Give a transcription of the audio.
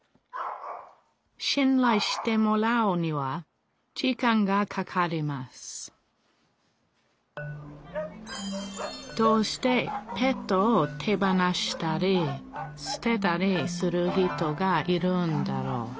しんらいしてもらうには時間がかかりますどうしてペットを手放したりすてたりする人がいるんだろう？